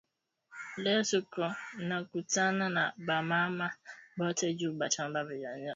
Leo tuko nakutana na ba mama bote nju tubape viwanja